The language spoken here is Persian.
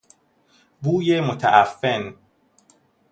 بوی متعفن